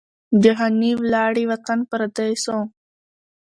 جهاني ولاړې وطن پردی سو